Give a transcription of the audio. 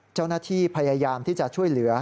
เจ้าหน้าที่พยายามที่จะช่วยเหลือ